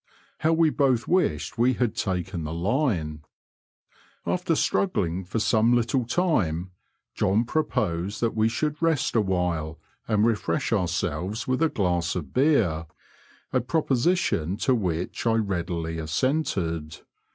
How we both wished we had taken the line ! After struggling for some little time, John proposed that we should rest awhile and refresh ourselves with a glass of beer — a pro position to which I readily assented.